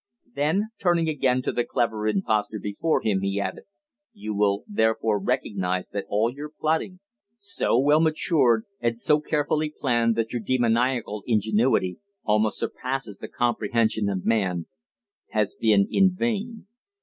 Then, turning again to the clever impostor before him, he added: "You will therefore recognise that all your plotting, so well matured and so carefully planned that your demoniacal ingenuity almost surpasses the comprehension of man, has been in vain.